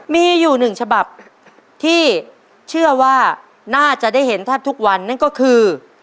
มีอยู่หนึ่งฉบับที่เชื่อว่าน่าจะได้เห็นแทบทุกวันนั่นก็คือ